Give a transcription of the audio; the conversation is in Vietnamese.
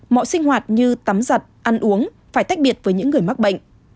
mọi sinh hoạt như tắm giặt ăn uống phải tách biệt với những người mắc bệnh